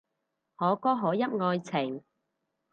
可歌可泣愛情